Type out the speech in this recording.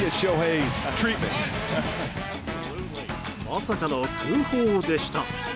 まさかの空砲でした。